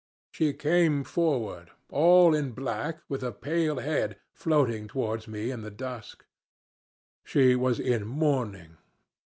"She came forward, all in black, with a pale head, floating towards me in the dusk. She was in mourning.